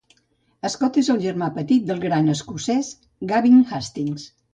Scott és el germà petit del gran escocès Gavin Hastings.